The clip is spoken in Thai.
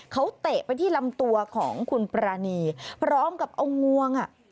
เขาเตะไปที่ลำตัวของคุณปรานีพร้อมกับเอางวงอ่ะ